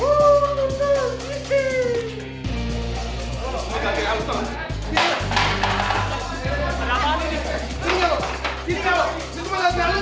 hah lu bikin bukanya gini